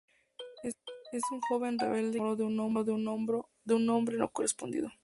Es una joven rebelde que se enamora de un hombre no correspondido.